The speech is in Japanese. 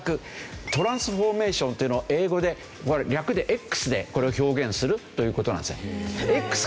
トランスフォーメーションっていうのは英語で略で「Ｘ」でこれを表現するという事なんですよ。